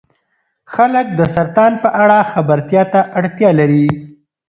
خلک د سرطان په اړه خبرتیا ته اړتیا لري.